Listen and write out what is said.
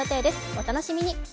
お楽しみに。